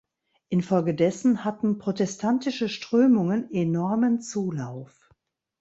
Infolge dessen hatten protestantische Strömungen enormen Zulauf.